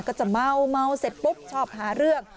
ก็จะเมาเสร็จปุ๊บชอบหาเรื่อง